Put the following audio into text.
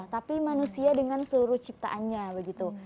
tapi manusia dengan seluruh ciptaannya begitu